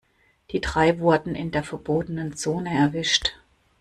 Die drei wurden in der verbotenen Zone erwischt.